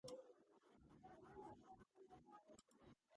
გალავანი და მდინარე ორი ფერით არის გამოსახული.